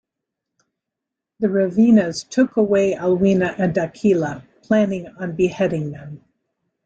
The Ravenas took away Alwina and Dakila, planning on beheading them.